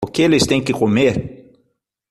O que eles têm que comer?